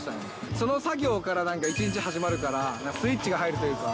その作業から、なんか１日始まるから、スイッチが入るというか。